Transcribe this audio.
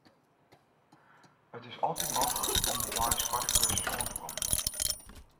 It is altyd mooglik om de deis foar de kursus oan te kommen.